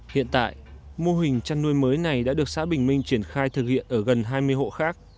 hiện tại mô hình chăn nuôi mới này đã được xã bình minh triển khai thực hiện ở gần hai mươi hộ khác